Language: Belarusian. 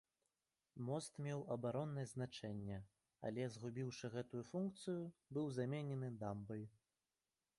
Мост меў абароннае значэнне, але, згубіўшы гэту функцыю, быў заменены дамбай.